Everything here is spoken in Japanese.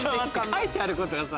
書いてあることがさ。